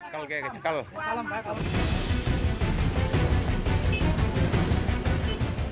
kalo kayak kecek kalo